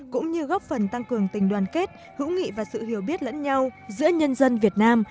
cũng như góp phần tăng cường tình đoàn kết hữu nghị và sự hiểu biết lẫn nhau giữa nhân dân việt nam